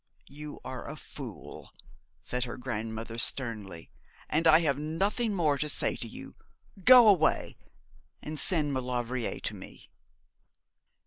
'You are a fool!' said her grandmother sternly. 'And I have nothing more to say to you. Go away, and send Maulevrier to me.'